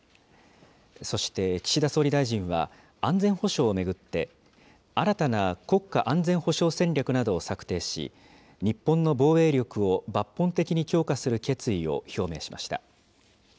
そして、岸田総理大臣は、安全保障を巡って、新たな国家安全保障戦略などを策定し、日本の防衛力を抜本的に強化する決意を表明しました。